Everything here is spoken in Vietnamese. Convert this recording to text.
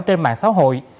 trên mạng xã hội